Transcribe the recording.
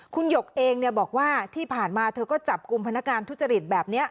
คุณหยกเองบอกว่าที่ผ่านมาเธอก็จับกลุ่มพนักงานทุจริตแบบนี้